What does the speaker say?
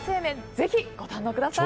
ぜひご堪能ください。